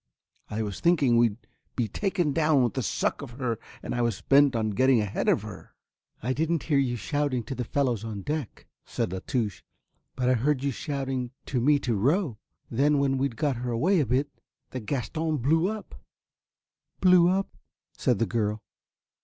I was thinking we'd be taken down with the suck of her and I was bent on getting ahead of her." "I didn't hear you shouting to the fellows on deck," said La Touche, "but I heard you shouting to me to row. Then when we'd got her away a bit the Gaston blew up." "Blew up," said the girl.